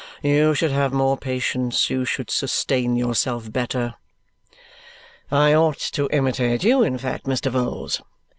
You should have more patience. You should sustain yourself better." "I ought to imitate you, in fact, Mr. Vholes?"